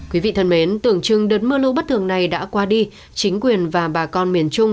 quý vị thân mến tưởng chừng đợt mưa lũ bất thường này đã qua đi chính quyền và bà con miền trung